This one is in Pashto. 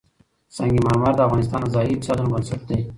سنگ مرمر د افغانستان د ځایي اقتصادونو بنسټ دی.